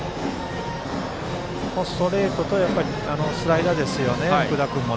ストレートとスライダーですよね、福田君も。